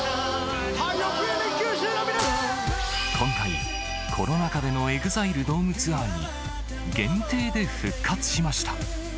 今回、コロナ禍でのＥＸＩＬＥドームツアーに、限定で復活しました。